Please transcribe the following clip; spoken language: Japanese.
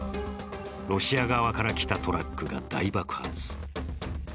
ロシア側から来たトラックが大爆発。